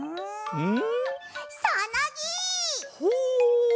うん？